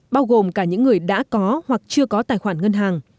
bao gồm cả những người đã có hoặc chưa có tài khoản ngân hàng